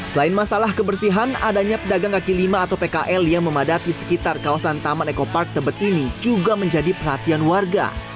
selain masalah kebersihan adanya pedagang kaki lima atau pkl yang memadati sekitar kawasan taman eco park tebet ini juga menjadi perhatian warga